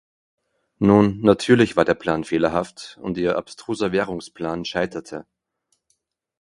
Nun, natürlich war der Plan fehlerhaft und ihr abstruser Währungsplan scheiterte.